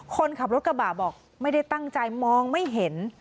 คนขับรถกระบะบอกไม่ได้ตั้งใจมองไม่เห็น